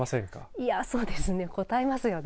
いや、そうですねこたえますよね。